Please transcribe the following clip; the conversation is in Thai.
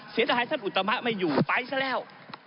เสียดายท่านอุตมะไม่อยู่ไปซะแล้ว